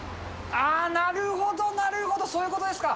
あー、なるほどなるほど、そういうことですか。